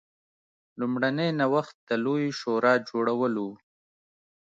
لومړنی نوښت د لویې شورا جوړول و.